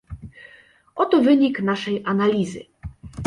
"Oto wynik naszej analizy."